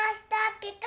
ピカ！